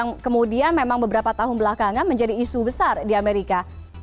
yang kemudian memang beberapa tahun belakangan menjadi isu besar di amerika